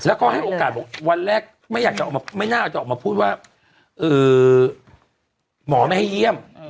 แล้วก็เธอให้โอกาสวันแรกไม่น่าจะออกมาพูดว่าหืมหมอไม่ให้เยี่ยม